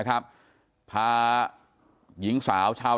กลุ่มตัวเชียงใหม่